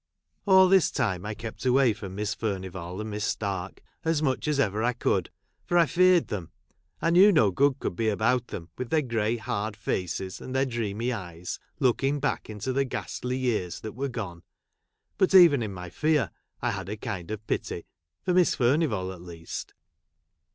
All this time, I kept away from Miss Furnivall and Mrs. Stark, as much as ever ; I could ; for I feared them — I knew no good ; could be about them, with tlieir grey hai'd laces, and their dreamy eyes, looking back j into the ghastly years that were gone. But, I even in my fear, I had a kind of pity — for Miss Fui'uivall, at least.